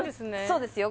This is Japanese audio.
そうですよ